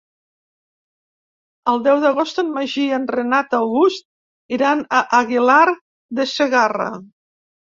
El deu d'agost en Magí i en Renat August iran a Aguilar de Segarra.